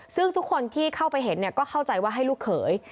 ซึ่งทุกคนที่เข้าไปเห็นก็เข้าใจว่าให้ลูกเขย